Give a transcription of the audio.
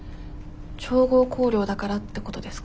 調合香料だからってことですか？